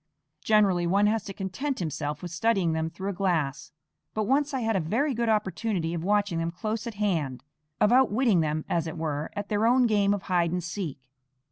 Generally one has to content himself with studying them through a glass; but once I had a very good opportunity of watching them close at hand, of outwitting them, as it were, at their own game of hide and seek.